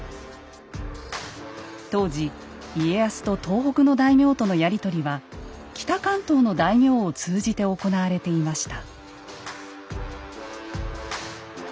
当時家康と東北の大名とのやり取りは北関東の大名を通じて行われていました。